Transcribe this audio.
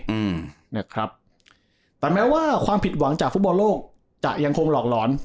อืมนะครับแต่แม้ว่าความผิดหวังจากฟุตบอลโลกจะยังคงหลอกหลอน